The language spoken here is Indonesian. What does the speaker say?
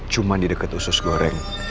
cuma di dekat usus goreng